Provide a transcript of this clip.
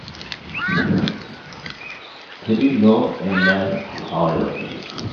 Three lost a lap, however.